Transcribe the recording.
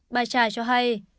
bà trà cho hay